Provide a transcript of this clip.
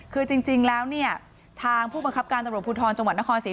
คือจริงแล้วเนี่ยทางผู้บังคับการตำรวจภูทรจังหวัดนครศรี